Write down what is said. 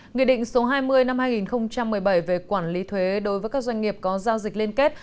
nghị định số hai mươi năm hai nghìn một mươi bảy về quản lý thuế đối với các doanh nghiệp có giao dịch liên kết